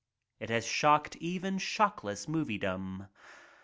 It has shocked even shockless Moviedom.